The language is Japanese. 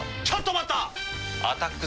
ちょっと待った！